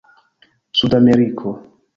sudameriko